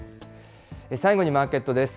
最後にマーケットです。